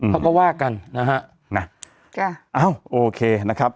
เขาก็ว่ากันนะฮะน่ะจ้ะเอ้าโอเคนะครับ